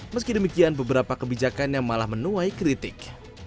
meski demikian beberapa kebijakan yang malah menuai kritik